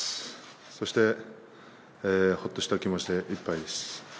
そして、ほっとした気持ちでいっぱいです。